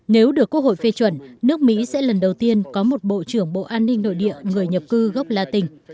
nếu được quốc hội phê chuẩn nước mỹ sẽ lần đầu tiên có một bộ trưởng bộ an ninh nội địa người nhập cư gốc latin